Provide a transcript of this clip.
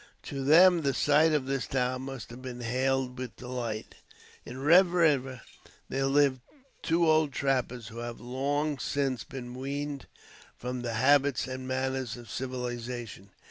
To them, the sight of this town must have been hailed with delight. In Red River there live two old trappers, who have long since been weaned from the habits and manners of civilization.